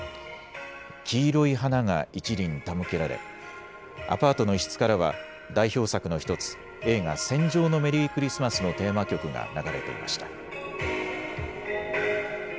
黄色い花が１輪手向けられ、アパートの一室からは代表作の１つ映画、戦場のメリークリスマスのテーマ曲が流れていました。